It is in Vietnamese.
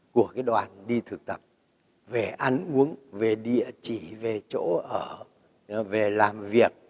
của cái đoàn đi thực tập về ăn uống về địa chỉ về chỗ ở về làm việc